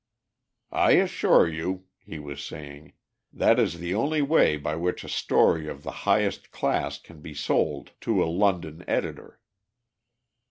"I assure you," he was saying, "that is the only way by which a story of the highest class can be sold to a London editor."